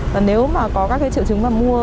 và nếu mà có các triệu chứng mà mua